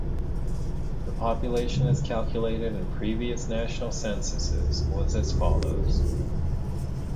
The population as calculated in previous National Censuses was as follows.